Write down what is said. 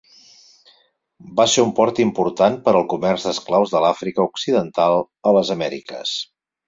Va ser un port important per al comerç d'esclaus de l'Àfrica Occidental a les Amèriques.